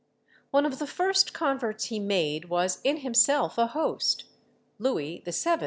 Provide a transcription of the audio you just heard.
] One of the first converts he made was in himself a host. Louis VII.